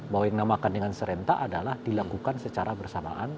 bahwa yang dinamakan dengan serentak adalah dilakukan secara bersamaan